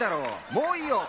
もういいよっ！